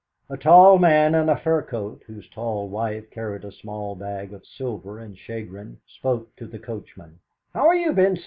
A tall man in a fur coat, whose tall wife carried a small bag of silver and shagreen, spoke to the coachman: "How are you, Benson?